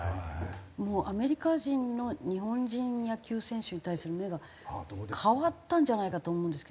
アメリカ人の日本人野球選手に対する目が変わったんじゃないかと思うんですけど。